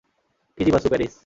Keiji Basu, Paris!